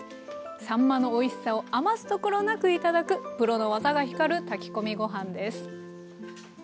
さんまのおいしさを余すところなく頂くプロの技が光る炊き込みご飯です。